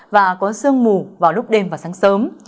và có sương mù vào lúc đêm và sáng sớm